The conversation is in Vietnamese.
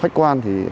hãy quay tí nhé